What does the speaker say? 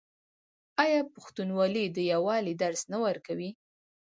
آیا پښتونولي د یووالي درس نه ورکوي؟